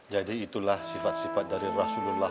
jadi itulah sifat sifat dari rasulullah